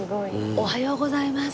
おはようございます。